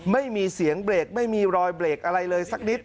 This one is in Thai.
ไม่มีเสียงเบรกไม่มีรอยเบรกอะไรเลยสักนิด